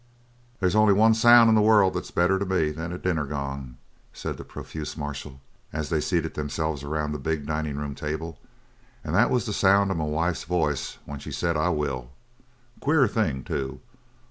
"They's only one sound in the world that's better to me than a dinner gong," said the profuse marshal, as they seated themselves around the big dining table, "and that was the sound of my wife's voice when she said 'I will.' Queer thing, too.